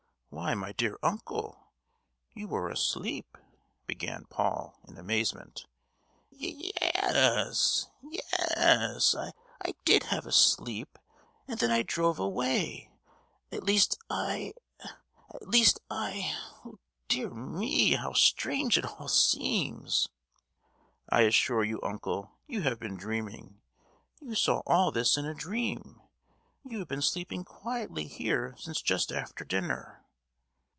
"Why, my dear uncle, you were asleep," began Paul, in amazement! "Ye—yes, ye—yes. I did have a sleep; and then I drove away, at least I—at least I—dear me, how strange it all seems!" "I assure you, uncle, you have been dreaming! You saw all this in a dream! You have been sleeping quietly here since just after dinner!"